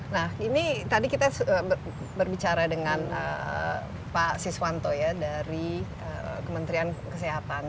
nah ini tadi kita berbicara dengan pak siswanto ya dari kementerian kesehatan